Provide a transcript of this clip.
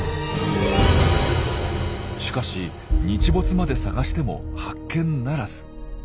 しかし日没まで探しても発見ならず。